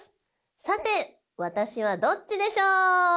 さて私はどっちでしょう？